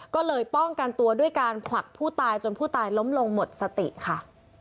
ก็เลยป้องกันตัวด้วยการผลักผู้ตายจนผู้ตายล้มลงหมดสติค่ะ